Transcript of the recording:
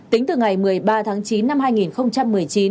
tính từ ngày một mươi ba tháng chín năm hai nghìn một mươi chín